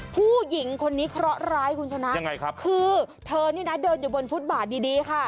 ผู้หญิงคนนี้เคราะห์ร้ายคุณชนะคือเธอนี่นะเดินอยู่บนฟุตบาร์ดดีค่ะ